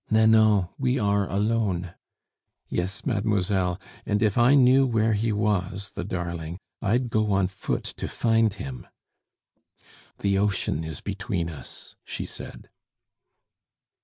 "Nanon, we are alone " "Yes, mademoiselle; and if I knew where he was, the darling, I'd go on foot to find him." "The ocean is between us," she said.